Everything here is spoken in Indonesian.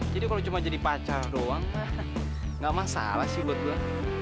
jadi kalo cuma jadi pacar doang kan ga masalah sih buat gua